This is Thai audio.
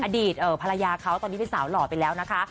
อดีตภรรยาเขาตอนนี้เป็นสาวหล่อไปแล้วนะคะ